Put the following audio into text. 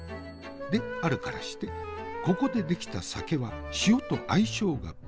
であるからしてここで出来た酒は塩と相性が抜群なのじゃ。